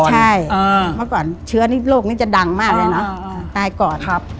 ใช่เมื่อก่อนเชื้อนี่โรคนี้จะดังมากเลยนะตายก่อน